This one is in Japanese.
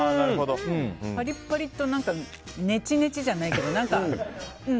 パリパリとネチネチじゃないけど何か、うん。